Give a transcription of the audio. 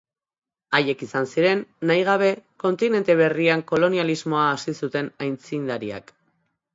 Haiek izan ziren, nahigabe, kontinente berrian kolonialismoa hasi zuten aitzindariak.